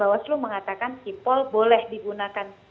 bawaslu mengatakan sipol boleh digunakan